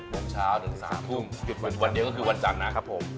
โมงเช้าถึง๓ทุ่มหยุดวันเดียวก็คือวันจันทร์นะครับผม